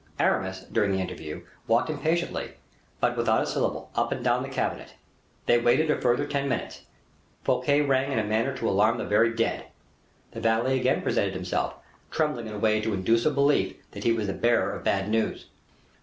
Aramis, during the interview, walked impatiently, but without a syllable, up and down the cabinet. They waited a further ten minutes. Fouquet rang in a manner to alarm the very dead. The valet again presented himself, trembling in a way to induce a belief that he was the bearer of bad news.